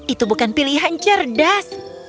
itu bukan pilihan cerdas